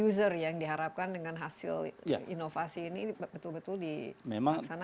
user yang diharapkan dengan hasil inovasi ini betul betul dilaksanakan